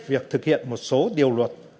việc thực hiện một số điều luật